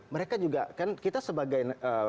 mereka juga kan kita sebagai